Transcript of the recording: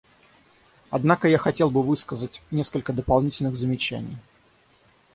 Однако я хотел бы высказать несколько дополнительных замечаний.